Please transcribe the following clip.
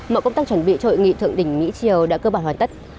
mọi công tác chuẩn bị cho hội nghị thượng đỉnh mỹ triều đã cơ bản hoàn tất